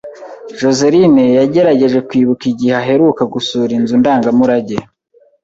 Joseline yagerageje kwibuka igihe aheruka gusura inzu ndangamurage.